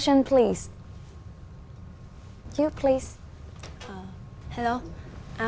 trong tương lai của các bạn